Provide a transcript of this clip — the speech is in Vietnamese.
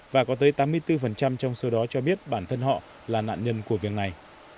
và có tới tám mươi bốn trong số đó cho biết bản thân họ là nạn nhân của việc này